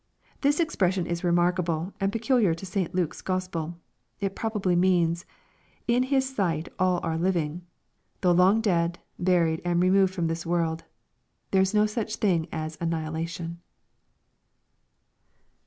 ] This expression is remarkable, and pecu liar to ?t. Luke's Gospel. It probably means, " In His sight all are living.'* though long dead, buried, and removed firom tliis world. There is no such thing as annihilation.